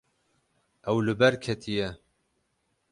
Ew li ber ketiye.